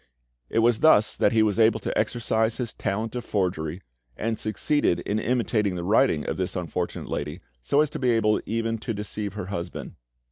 It was thus that he was able to exercise his talent of forgery, and succeeded in imitating the writing of this unfortunate lady so as to be able even to deceive her husband.